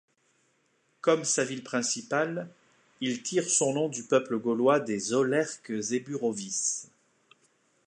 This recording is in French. Comme sa ville principale, il tire son nom du peuple gaulois des Aulerques Eburovices.